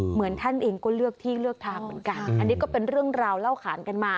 เหมือนท่านเองก็เลือกที่เลือกทางเหมือนกันอันนี้ก็เป็นเรื่องราวเล่าขานกันมา